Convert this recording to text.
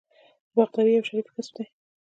باغداري یو شریف کسب دی.